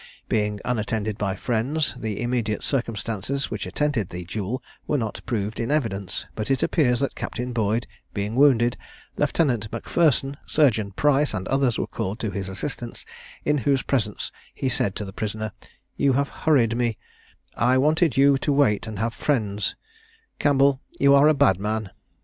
Being unattended by friends, the immediate circumstances which attended the duel were not proved in evidence; but it appears that Captain Boyd being wounded, Lieutenant Macpherson, Surgeon Price, and others were called to his assistance, in whose presence he said to the prisoner, "You have hurried me I wanted you to wait and have friends Campbell, you are a bad man!"